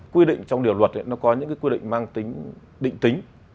quy định trong điều luật nó có những quy định mang tính định tính